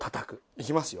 いきますよ。